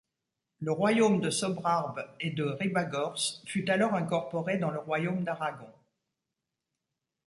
Le royaume de Sobrarbe et de Ribagorce fut alors incorporé dans le royaume d'Aragon.